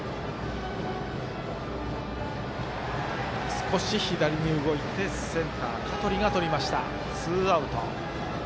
少し左に動いてセンター、香取が取りました。